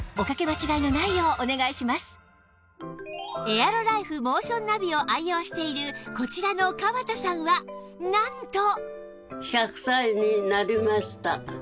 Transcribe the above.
エアロライフモーションナビを愛用しているこちらの川田さんはなんと